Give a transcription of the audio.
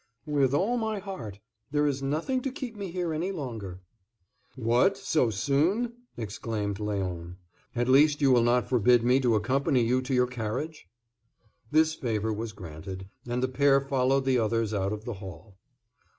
"With all my heart. There is nothing to keep me here any longer." "What, so soon?" exclaimed Léon. "At least, you will not forbid me to accompany you to your carriage?" This favor was granted, and the pair followed the others out of the hall.